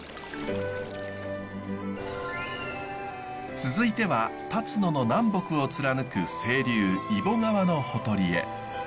続いてはたつのの南北を貫く清流揖保川のほとりへ。